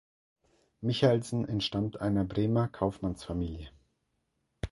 Michaelsen entstammt einer Bremer Kaufmannsfamilie.